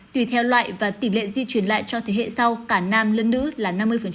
tùy theo loại và tỷ lệ di chuyển lại cho thế hệ sau cả nam lẫn nữ là năm mươi